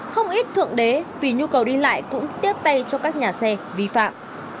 không ít thượng đế vì nhu cầu đi lại cũng tiếp tay cho các nhà xe vi phạm